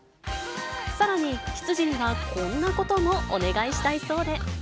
さらに、執事にはこんなこともお願いしたいそうで。